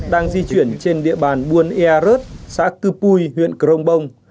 đang di chuyển trên địa bàn buôn ea rớt xã cư pui huyện krombong